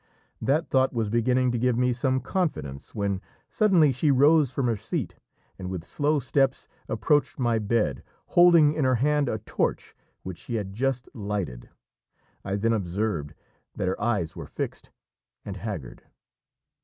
That thought was beginning to give me some confidence, when suddenly she rose from her seat and with slow steps approached my bed, holding in her hand a torch which she had just lighted. I then observed that her eyes were fixed and haggard.